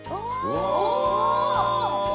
お！